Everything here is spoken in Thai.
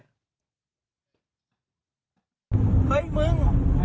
เฮ้ยมึง